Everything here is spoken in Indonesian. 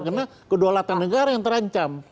karena kedualatan negara yang terancam